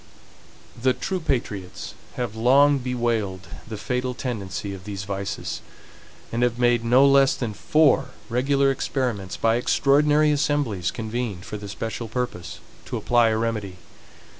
The true patriots have long bewailed the fatal tendency of these vices, and have made no less than four regular experiments by EXTRAORDINARY ASSEMBLIES, convened for the special purpose, to apply a remedy.